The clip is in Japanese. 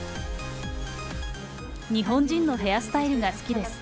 日本人のヘアスタイルが好きです。